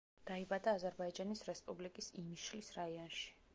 დაიბადა აზერბაიჯანის რესპუბლიკის იმიშლის რაიონში.